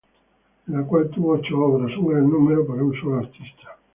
En la cual tuvo ocho obras, un gran número para un solo artista.